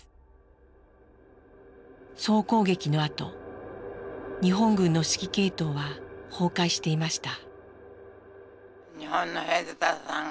総攻撃のあと日本軍の指揮系統は崩壊していました。